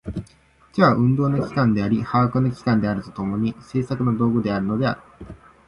手は運動の機関であり把握の機関であると共に、製作の道具であるのである。